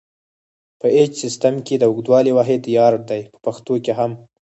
په ایچ سیسټم کې د اوږدوالي واحد یارډ دی په پښتو کې هم.